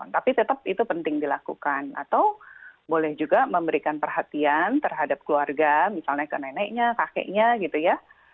tapi tetap itu penting dilakukan atau boleh juga memberikan perhatian terhadap keluarga misalnya ke neneknya kakeknya gitu ya